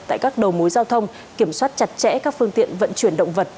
tại các đầu mối giao thông kiểm soát chặt chẽ các phương tiện vận chuyển động vật